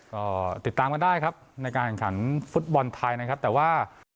ก็ติดตามก็ได้ครับในการการการฝุ่นบอลไทยนะครับแต่ว่า